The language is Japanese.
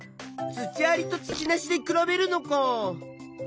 土ありと土なしで比べるのか。